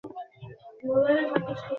তোমার ডিএনএ দুনিয়া বদলে দিতে পারে।